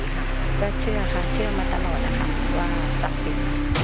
๓๒๔ค่ะก็เชื่อค่ะเชื่อมาตลอดนะคะว่า๓ปี